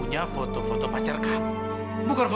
siap siap kah